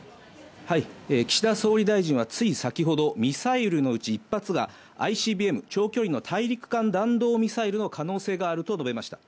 はい、岸田総理大臣はつい先程、ミサイルのうち１発がＩＣＢＭ＝長距離の大陸間弾道ミサイルの可能性があると述べました。